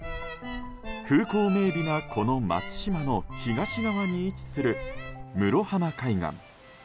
風光明媚な、この松島の東側に位置する室浜海岸。